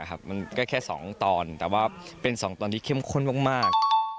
มันก็แค่๒ตอนแต่ว่าเป็น๒ตอนที่เข้มข้นมาก